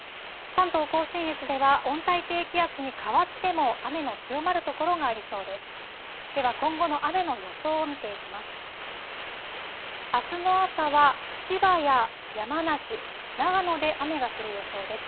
関東甲信越では、温帯低気圧に変わっても、雨の強まる所がありそうです。